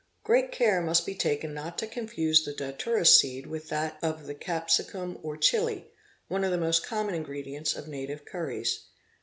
Great care must be taken not to confuse the datwra seed with that of the Capsicum or Chili, one of the most common ingredients of native curries.